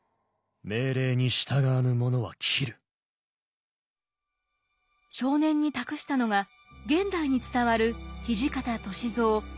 少年に託したのが現代に伝わる土方歳三唯一の写真です。